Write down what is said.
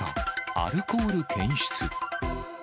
アルコール検出。